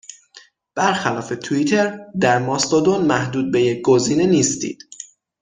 بر خلاف توییتر، در ماستودون محدود به یک گزینه نیستید